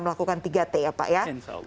melakukan tiga t ya pak ya